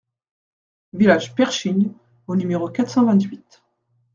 Village Pershing au numéro quatre cent vingt-huit